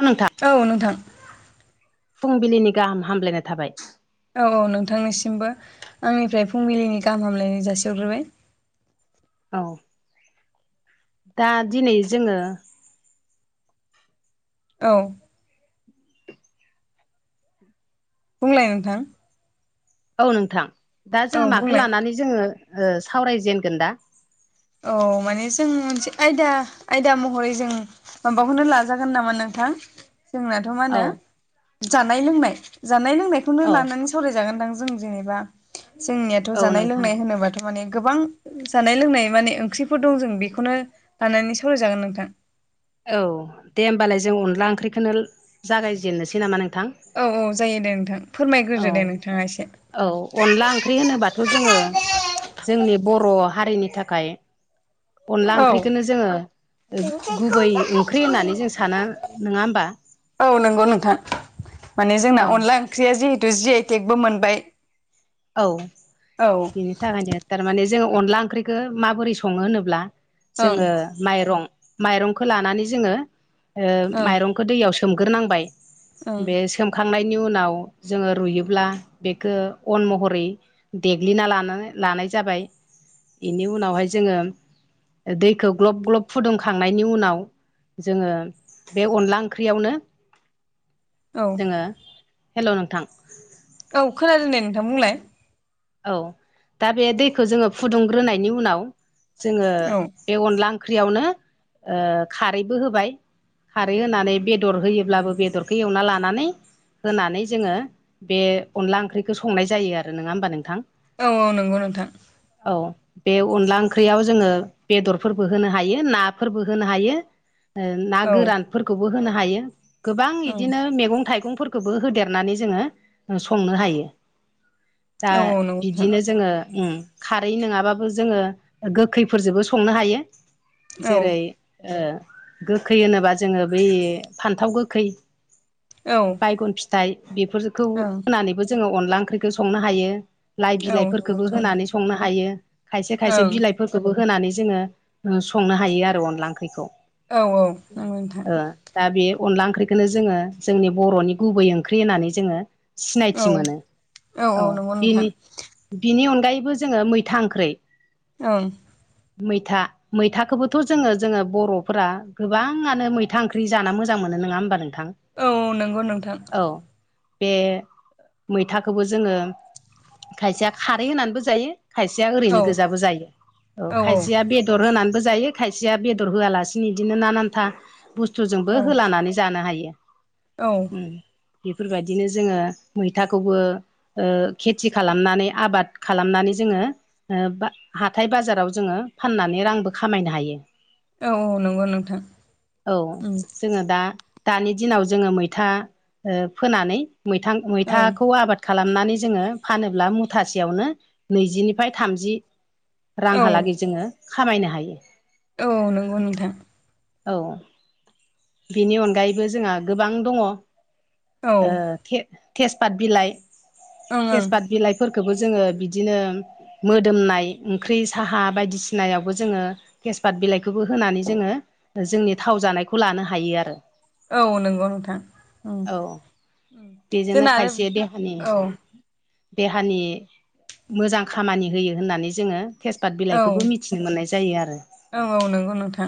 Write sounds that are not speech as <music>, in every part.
अ नोंथा औ नोंथां फुंबिलिनि गाहाम हामलायनाय थाबाय औ औ नोंथांनिसिमबो आंनिफ्राय फुंबिलिनि गाहाम हामलायनाय जासिहरग्रोबाय औ दा दिनै जोङो औ बुंलाय नोंथां औ नोंथां दा औ जोंङो माखौ बुंलाय लानानै जोङो सावरायजेनगोन दा औ माने जों मोनसे आयदा आयदा महरै जों माबाखौनो लाजागोन नामा नोंथां जोंना मा औ होनो जानाय लोंनाय जानाय लोंनायखौनो औ लानानै सावरायजागोनदां जों जेनेबा जोंनियाथ' औ जानाय नोंथां लोंनाय होनोबाथ' थारमाने गोबां जानाय लोंनाय माने ओंख्रिफोर दं जों बेखौनो लानानै सावरायजागोन नोंथां औ दे होमबालाय जों अनला ओंख्रिखौनो जागायजेननोसै नामा नोंथां औ औ जायो दे नोंथां औ फोरमायग्रोदो दे नोंथाङा एसे औ अनला ओंख्रि होनोबाथ' जोङो जोंनि बर' हारिनि थाखाय अनला औ ओंख्रिखौनो जोङो दिंखिखौ गुबै ओंख्रि गाहायथिं होननानै जों साना लिंहरदों नोङा होमबा औ नंगौ नोंथां माने जोंना अनला औ ओंख्रिया जिहेतु जि आइ टेकबो मोनबाय औ औ बिनि थाखायनो थारमाने जोङो अनला ओंख्रिखौ माबोरै सङो होनोब्ला ओं जोङो ओं बेखौ दैयाव सोमग्रोनांबाय ओं बे सोम खांनायनि उनाव जोङो रुयोब्ला बेखौ अन महरै देग्लिना ला लानाय जाबाय बेनि उनावहाय जोङो दैखौ ग्लब ग्लब फुदुंखांनायनि उनाव जोङो बे अनला ओंख्रियावनो औ जोङो हेल' नोंथां औ खोनादों नै नोंथां बुंलाय औ दा बे दैखौ जोङो फुदुंग्रोनायनि उनाव जोङो औ बे अनला ओंख्रियावनो ओ खारैबो होबाय खारै होनानै बेदर होयोब्लाबो बेदरखौ एवना लानानै होनानै जोङो बे अनला ओंख्रिखौ संनाय जायो आरो नङा होमबा नोंथां? औ औ नंगौ नोंथां। औ। बे अनला ओंख्रियाव जोङो बेदरफोरबो होनो हायो नाफोरबो होनो हायो। ना औ ओं गोरानफोरखौबो होनो हायो। गोबां औ इदिनो मैगं थाइगंफोर खौबो होदेरनानै जोङो संनो हायो। दा औ नंगौ नोंथां बिदिनो जोङो उ खारै नङाबाबो जोङो गोखैफोरजोंबो संनो हायो। औ जेरै ओ गोखै होनोबा जोङो बै फान्थाव गोखै औ। बैगन फिथाइ बेफोरखौ औ होनानैबो जोङो अनला ओंख्रिखौ संनो हायो। लाइ नंगौ बिलाइफोरखौबो नोंथां होनानै संनो हायो। खायसे खायसे ओं बिलाइ फोरखोबो होनानै जोङो संनो हायो आरो अनला ओंख्रिखौ। औ औ नंगौ नोंथां ओ। दा बे अनला ओंख्रिखोनो जोङो जोंनि बर'नि गुबै ओंख्रि होननानै जोङो औ सिनायथि मोनो। औ नंगौ बिनि नोंथां बिनि अनगायैबो जोङो मैथा ओंख्रै ओं। मैथा मैथाखौबोथ' जोङो जोङो बर'फोरा गोबाङानो मैथा ओंख्रि जाना मोजां मोनो नङा होमबा नोंथां? औ नंगौ नोंथां। अ बे मैथाखौबो जोङो खायसेया खारै होनानैबो जायो खायसेया औ ओरैनो औ गोजाबो जायो। अ खायसेया बेद बेदर होनानैबो जायो खायसेया बेदर होआलासिनो बिदिनो नानान्था बुस्थुजोंबो औ औ होलानानै जानो हायो। औ उ बेफोरबायदिनो जोङो मैथाखौबो ओ खेथि खालामनानै आबाद खालामनानै जोङो हाथाय बाजाराव जोङो फाननानै रांबो खामायनो हायो। औ औ नंगौ नोंथां। औ उम जोङो दा दानि दिनाव जोङो मैथा ओ फोनानै मैथा मैथाखौ औ आबाद खालामनानै जोङो फानोब्ला मुथासेयावनो नैजिनिफ्राय थामजि रांहालागै जोङो खामायनो हायो। औ नंगौ नोंथां। औ बिनि अनगायैबो जोंहा गोबां दङ ओ औ थे थेजपात बिलाइ ओं थेजपात बिलाइफोरखौबो जोङो बिदिनो मोदोमनाय ओंख्रि साहा बायदिसिनायावबो जोङो थेसपात बिलाइखौबो होनानै जोङो जोंनि थाव जानायखौ लानो हायो आरो। औ नंगौ नोंथां। ओं औ उम बेजोंनो जोंना आरो खायसे देहानि औ देहानि मोजां खामानि होयो होननानै जोङो थेसपात बिलाइखौबो मिथि मिथिनो मोननाय जायो आरो। औ औ नोंगौ नोंथां।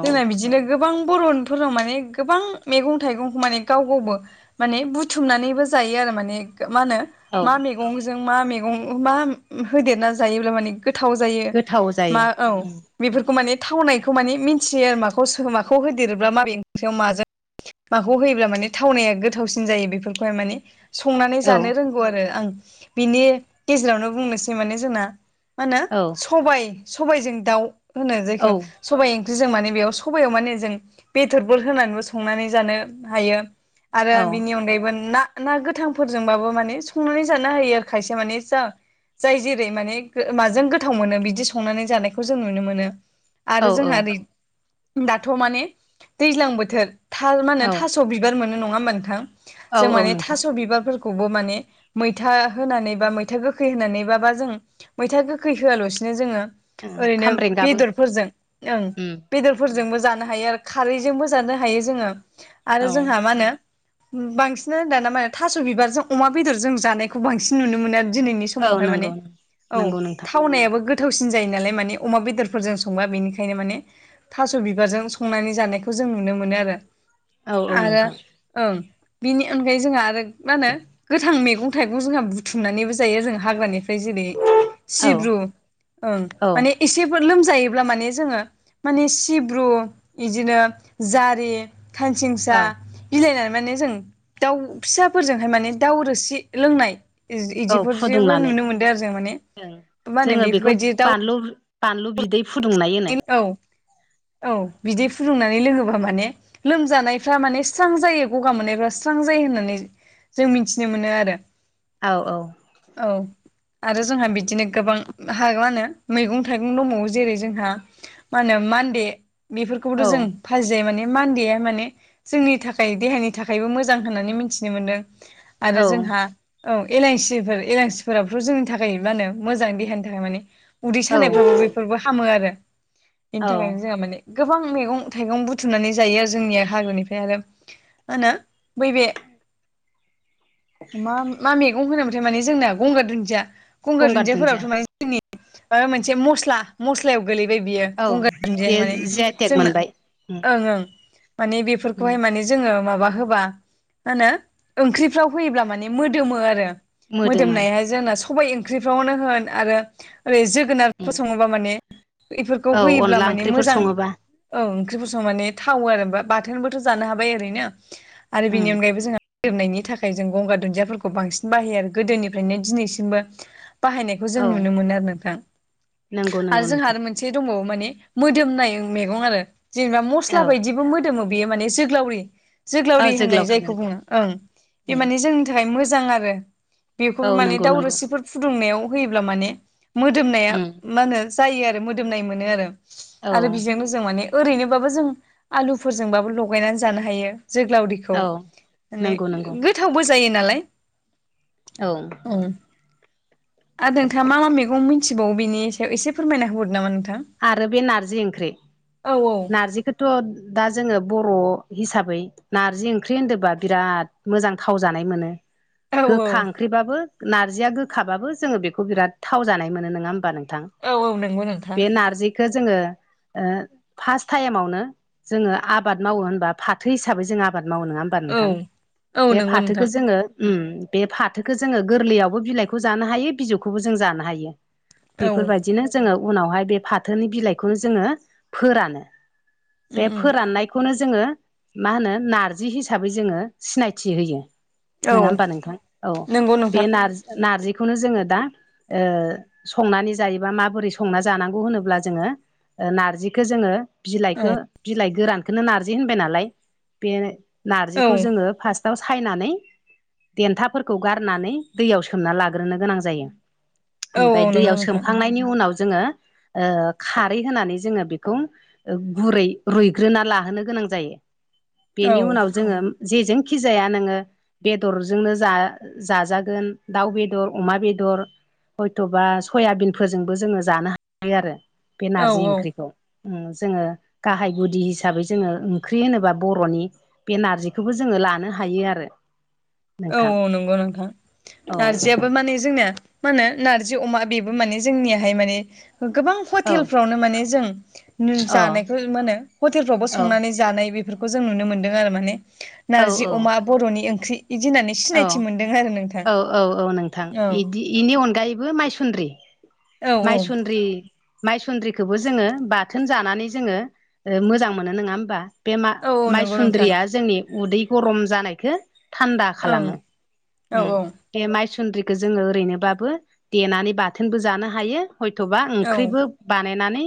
औ जोंना बिदिनो गोबां बर'फोरनाव माने गोबां मेगं थाइगंखौ माने गाव गावबो माने बुथुमनानैबो जायो आरो माने मा होनो औ मा मेगंजों मा मेगं मा होदेरना जायोब्ला माने गोथाव जायो गोथाव मा औ जायो बेफोरखौ माने थावनायखौ माने मिथियो आरो माखौ माखौ होदेरोब्ला माबै ओंख्रियाव माजों माखौ होयोब्ला माने थावनाया गोथावसिन जायो बेफोरखौहाय माने संनानै औ जानो रोंगौ आरो आं। बिनि गेजेरावनो बुंनोसै माने जोंना मा होनो औ। सबाइ सबाइजों दाउ होनो औ जायखौ सबाइ ओंख्रिजों माने बेयाव सबायाव माने जों बेदरफोर होनानैबो संनानै जानो हायो आरो औ बिनि अनगायैबो ना ना गोथांफोरजोंबाबो माने संनानै जानो हायो आरो खायसे माने जा जाय जेरै माने माजों गोथाव मोनो बिदि संनानै जानायखौ जों नुनो मोनो आरो औ जोंहा ओरै दाथ' माने दैज्लां बोथोर। थाल मा होनो औ थास' बिबार मोनो नङा होमबा नोंथां औ जों औ माने नोंथां थास' बिबारफोर खौबो माने मैथा होनानै बा मैथा गोखै होनानै बाबा जों मैथा गोखै होआल'सिनो जोंङो खामरे बेदरफोरजों ओं। बेदरफोरजोंबो जानो हायो आरो खारैजोंबो जानो हायो जोंङो आरो औ जोंहा मा होनो बांसिनानो दाना माने थास' बिबारजों अमा बेदरजों जानायखौ बांसिन नुनो मोनो आरो दिनैनि औ समावहाय माने। नंगौ औ नंगौ नोंथां थावनायाबो गोथावसिन जायो नालाय माने अमा बेदरफोरजों संबा बेनिखायनो माने थास' बिबारजों संनानै जानायखौ जों नुनो मोनो आरो। औ औ आरो नोंथां ओं बिनि अनगायै जोंहा आरो मा होनो गोथां मैगं थाइगं जोंहा बुथुमनानैबो जायो जों हाग्रानि ओमफ्राय जेरै औ सिब्रु ओं। औ माने एसेफोर लोमजायोब्ला माने जोंङो माने सिब्रु बिदिनो जारि खानसिंसा औ बिलायनानै माने जों दाउ फिसाफोरजोंहाय माने दाउ रोसि लोंनाय इदि औ इदिफोर जेबो फुदुंनानै नुनो मोनदों आरो जों माने मा होनो जोङो बेखौ बेफोरबायदि दाउ <unintelligible> बानलु बिदै फुदुंनाय होनो औ औ बिदै फुदुंनानै लोङोबा माने लोमजानायफ्रा माने स्रां जायो गगा मोननायफ्रा स्रां जायो होननानै जों मिथिनो मोनो आरो। औ औ। औ। आरो जोंहा बिदिनो गोबां हा मा होनो मैगं थाइगं दंबावो जेरै जोंहा मा होनो मान्दे औ बेफोरखौबोथ' जों फाजि जायो माने मान्देया माने जोंनि थाखाय देहानि थाखायबो मोजां होननानै मिथिनो मोनदों औ आरो जोंहा औ एलाइसिफोर एलाइसिफोराबोथ' जोंनि थाखाय मा होनो मोजां देहानि थाखाय माने उदै औ सानायफ्राबो बेफोरबो हामो आरो। बेनि औ थाखायनो जोंहा माने गोबां मैगं थाइगं बुथुमनानै जायो आरो जोंनिया हाग्रानिफ्राय आरो। मा होनो बै बे <inaudible> मा मा मैगं होनोमोनथाय माने जोंना गंगार दुन्दिया गंगार दुन्दियाफोरावथ' माने जोंनि माबा मोनसे मस्ला मस्लायाव गोलै बेयो औ गंगार दुनदिया बे माने जि आइ टेक जों मोनबाय उम ओं ओं माने बेफोरखौहाय उम माने जोङो माबा होबा माहोनो ओंख्रिफ्राव होयोब्ला माने मोदोमो आरो। मोदोमो मोदोमनाया जोंना सबाइ ओंख्रिफ्रावनो होन आरो ओरै जोगोनारफोर उम सङोबा माने बेफोरखौ औ होयोब्ला अनला माने ओंख्रिफोर मोजां। सङोबा औ ओंख्रिबो संनानै थावो आरो बाथोनबोथ' जानो हाबाय ओरैनो आरो उम बेनि अनगायैबो जोंहा गोरोबनायनि थाखाय जों गंगार दुन्दियाफोरखौ बांसिन बाहायो आरो गोदोनिफ्रायनो दिनैसिमबो बाहायनाय खौ जों औ नुनो मोनो नोंथां। नंगौ आरो नंगौ जोंहा नोंथां आरो मोनसे दंबावो माने मोदोमनाय मेगं आरो जेनेबा मसला औ बायदिबो मोदोम बेयो माने जोग्लावरि औ जोग्लावरि होननाय जायखौ नंगौ बुङो ओं बे उम माने जोंनि नि थाखाय मोजां आरो बेफोर औ माने नंगौ नंगौ दावरोसिफोर फुदुंनायाव होयोब्ला माने मोदोमनाया उम मा होनो जायो आरो। मोदोमनाय मोनो आरो औ आरो बेजोंनो जों माने ओरैनो बाबो जों आलुफोरजोंबाबो लगायनानै जानो हायो जोंगलारि ओव औ माने नंगौ नंगौ गोथावबो जायो नालाय। औ उम आरो नोंथांङा मा मा मैगं मिथिबावो बेनि सायाव एसे फोरमायना हरदों? नामा नोंथां? आरो बे नारजि ओंख्रि औ औ नारजिखौ थ' दा जोंङो बर' हिसाबै नार्जि ओंख्रि होनो बा बिराद मोजां गोथाव जानाय मोनो। औ गोखा ओंख्रिबाबो नारजिया गोखाबाबो जोंङो बेखौ बिराद गोथाव जानाय मोनो नंङा होमबा नोंथां? औ औ नंगौ नोंथां। बे नारजिखो जोंङो ओ फार्स्ट टाइमावनो जोंङो आबाद मावो होनबा फाथो हिसाबै जों आबाद मावो नंङा होमबा? होमबा औ नोंथां औ बे नंगौ नोंथां फाथोखो जोंङो उम बे फाथोखो जोंङो गोरलैयावबो बिलाइखौ जानो हायो बिजौखौबो जों जानो हायो। औ उम बेफोरबायदिनो जोंङो उनावहाय बे फाथोनि बिलाइखौनो जोंङो फोरानो। बे उम फोराननाय खौनो जोंङो मा होनो नारजि हिसाबै जोंङो सिनायथि होयो। औ नंङा होमबा नोंथां? औ नंगौ बे नोंथां नारजि नारजि खोवनो जोंङो दा संनानै जायोबा माबोरै संनानै जानांगौ होनोब्ला जोंङो नारजिखौ जोंङो औ बिलाइखौ बिलाइ गोरानखौ नार्जि होनबाय नालाय बे औ नार्जिखौ जोंङो फार्स्टआव सायनानै देन्थाफोरखौ गारनानै दैयाव सोमना लाग्रोनो गोनां जायो। औ औ ओमफ्राय नंगौ दैयाव नोंथां सोमखांनायनि उनाव जोंङो खारै होनानै जोंङो बेखौ गुरै रुइग्रोना लाहोनो गोनां जायो। औ बेनि उनाव जोंङो जेजोंखि जाया नोंङो बेदरजोंनो जाजागोन दाउ बेदर अमा बेदर-' हयथ'बा सयाबिनफोर जोंबो जोंङो जानो हाबायो आरो बे औ नारजि ओंख्रिखौ-' जोंङो गाहाय गुदि हिसाबै जोंङो ओंख्रि होनोब्ला बर'नि बे नारजिखौबो जोंङो लानो हायो आरो। औव नोंथां औव नंगौ नोंथां औ नारजियाबो माने जोंनिया मा होनो नारजि अमा बे माने जोंनियाहाय माने गोबां औ हटेलफ्रावनो माने जों अ जानायखौ मा होनो हटेलफ्रावबो औ संनानै जानाय बेफोरखौ जों नुनो मोनदों आरो माने। औ नारजि अमा बर'नि ओंख्रि इदि होननानै औ सिनायथि मोनदों आरो नोंथां औ औ औ नोंथां औ बिदि बेनि अनगायैबो माइसुन्द्रि औ औ माइसन्द्रि-' माइसुन्द्रिखौबो जोंङो बाथोन जानानै जोंङो मोजां मोनो नंङा होमबा। बे मा औ औ नंगौ नोंथां माइसुन्द्रिया जोंनि उदै गरम जानायखौ थान्दा खालामो। ओं औ बे माइसुन्द्रिखौ जोंङो ओरैनोबाबो देनानै बाथोनबो जानो हायो। हयथ'बा औ ओंख्रिबो बानायनानै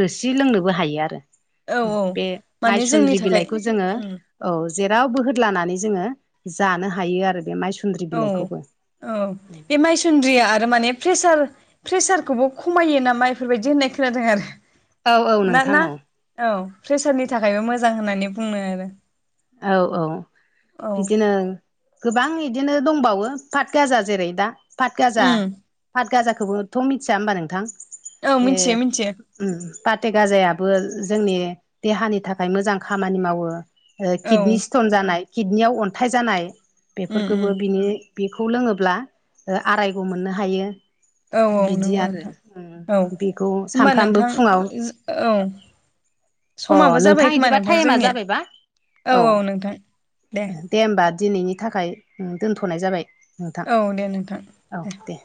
रोसि लोंनोबो हायो आरो। औ बे माने जोंनि माइसुन्द्रि थाखाय बिलाइखौ जोंङो उम औ जेराव बोहदलानानै जोंङो जानो हायो आरो बे माइ औ औ बे माइ सुन्द्रिया आरो माने प्रेसार प्रेसारखौबो खमायो ना माफोरबायदि होननाय खोनादों आरो? औ औ ना नोंथां ना औ औ प्रेसारनि थाखायबो मोजां होननानै बुंनो आरो। औ औ औ बिदिनो। गोबां इदिनो दंबावो पातगाजा जेरै दा पाटगाजा। उम पाट गाजाखौबोथ' मिथिया होमबा नोंथां? औ मिथिययो मिथिययो। फाथे गाजायाबो जोंनि देहानि थाखाय मोजां खामानि मावो। औ किडनि उम स्टन जानाय किडनियाव अन्थाइ जानाय बेफोरखौबो उम बिनि बेखौ लोङोब्ला आरायग' मोननो हायो। औ औ बिदि नंगौ आरो नोंथां औ बेखौ होमबा सानफ्रामबो नोंथां फुङाव औ। अ समाबो जाबाय खोमा इदिबा नोंथां टाइमा जोंनिया जाबायबा औ औ नोंथां दे। दे होमबा दिनैनि थाखाय दोनथ'नाय जाबाय नोंथां औ दे नोंथां औ दे।